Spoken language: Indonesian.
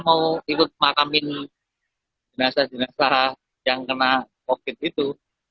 mau ikut makamin jenazah jenazah yang kena covid itu